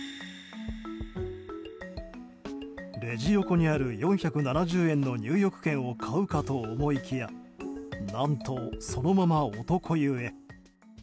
レジ横にある４７０円の入浴券を買うかと思いきや何とそのまま男湯へ。